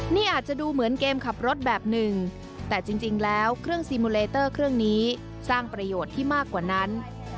นี่อาจจะดูเหมือนเกมขับรถแบบหนึ่งแต่จริงแล้วเครื่องซีมูเลเตอร์เครื่องนี้สร้างประโยชน์ที่มากกว่านั้น